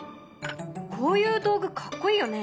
こういう道具かっこいいよね。